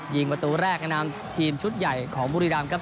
ยิงประตูแรกนำทีมชุดใหญ่ของบุรีรัมครับ